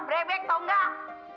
brebek tau gak